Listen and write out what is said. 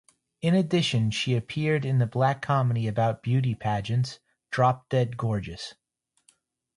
In addition, she appeared in the black comedy about beauty pageants, "Drop Dead Gorgeous".